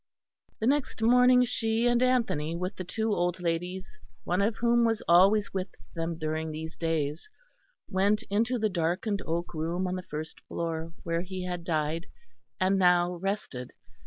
The next morning she and Anthony, with the two old ladies, one of whom was always with them during these days, went into the darkened oak room on the first floor, where he had died and now rested.